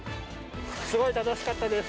すごい楽しかったです。